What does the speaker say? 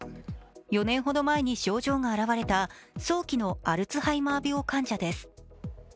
４年ほど前に症状が現れた早期のアルツハイマー病患者です。